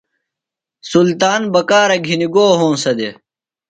سلطان بکارہ گِھنیۡ گو ہونسہ دےۡ؟